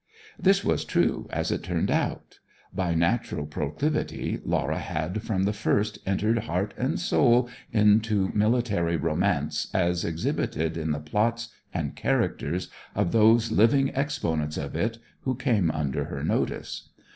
This was true, as it turned out. By natural proclivity Laura had from the first entered heart and soul into military romance as exhibited in the plots and characters of those living exponents of it who came under her notice.